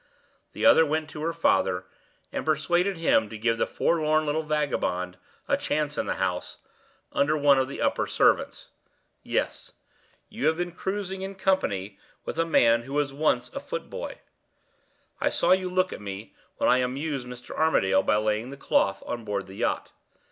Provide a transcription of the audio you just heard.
The other went to her father, and persuaded him to give the forlorn little vagabond a chance in the house, under one of the upper servants. Yes! you have been cruising in company with a man who was once a foot boy. I saw you look at me, when I amused Mr. Armadale by laying the cloth on board the yacht.